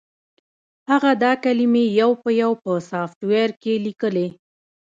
هغه دا کلمې یو په یو په سافټویر کې لیکلې